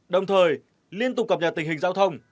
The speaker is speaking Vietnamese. đồng thời liên tục cập nhật tình hình giao thông